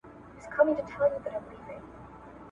ما تېره میاشت څېړنه وکړه.